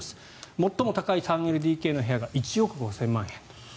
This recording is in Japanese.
最も高い３ＬＤＫの部屋が１億５０００万円と。